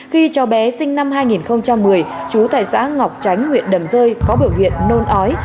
khi cháu bé sinh năm hai nghìn một mươi chú tại xã ngọc tránh huyện đầm rơi có biểu hiện nôn ói